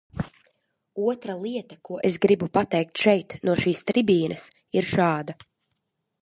Otra lieta, ko es gribu pateikt šeit, no šīs tribīnes, ir šāda.